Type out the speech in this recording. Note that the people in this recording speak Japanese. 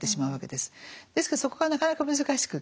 ですからそこがなかなか難しくって。